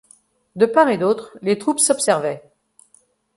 De part et d'autre, les troupes s'observaient.